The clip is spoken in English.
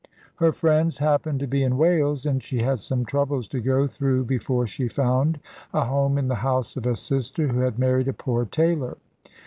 Her friends happened to be in Wales, and she had some troubles to go through before she found a home in the house of a sister, who had married a poor tailor.